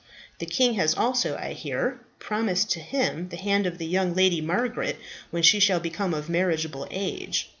The king has also, I hear, promised to him the hand of the young Lady Margaret, when she shall become of marriageable age.